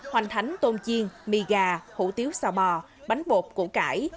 hoành thánh tôn chiên mì gà hủ tiếu xào bò bánh bột củ cải